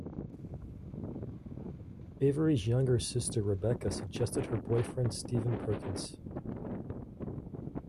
Avery's younger sister Rebecca suggested her boyfriend Stephen Perkins.